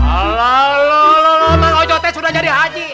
allah allah bang ojo teh sudah jadi haji